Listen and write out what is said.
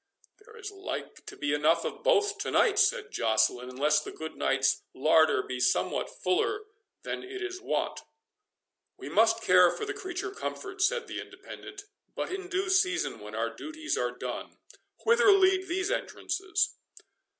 "There is like to be enough of both to night," said Joceline, "unless the good knight's larder be somewhat fuller than it is wont." "We must care for the creature comforts," said the Independent, "but in due season, when our duties are done. Whither lead these entrances?"